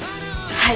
はい！